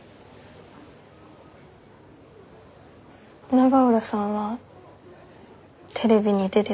永浦さんはテレビに出てた人でしょ？